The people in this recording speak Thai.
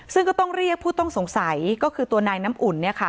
ซึ่งก็ต้องเรียกผู้ต้องสงสัยก็คือตัวนายน้ำอุ่น